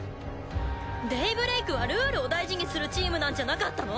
デイブレイクはルールを大事にするチームなんじゃなかったの？